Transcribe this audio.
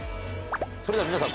それでは皆さん